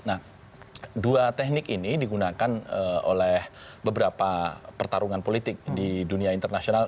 nah dua teknik ini digunakan oleh beberapa pertarungan politik di dunia internasional